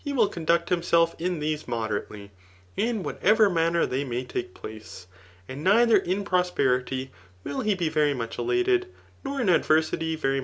viU conduct himKlf i& tkme moderatdy, is whatever manter they may take place. And nehfaer in proqierity will he be very much elated, jior in adTentty very.